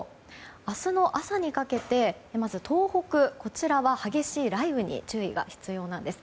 明日の朝にかけて東北は激しい雷雨に注意が必要なんです。